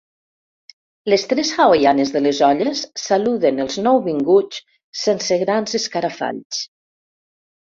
Les tres hawaianes de les olles saluden els nouvinguts sense grans escarafalls.